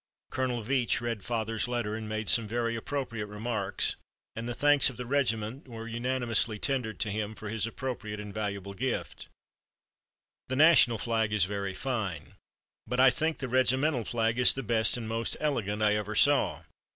Colonel Veatch read father's letter and made some very appropriate remarks, and the thanks of the regiment were unanimously tendered to him for his appropriate and valuable gift. The National flag is very fine, but I think the regimental flag is the best and most elegant I ever saw.